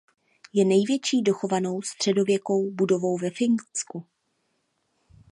Je největší dochovanou středověkou budovou ve Finsku.